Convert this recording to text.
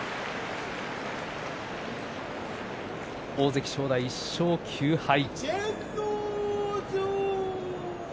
大関正代、１勝９敗。